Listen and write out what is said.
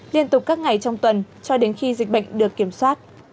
liên tục các ngày trong tuần cho đến khi dịch bệnh được kiểm soát